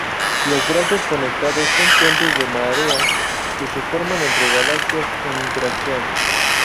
Los brazos conectados son puentes de marea que se forman entre galaxias en interacción.